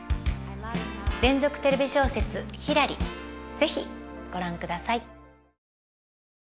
連続テレビ小説「ひらり」是非ご覧ください。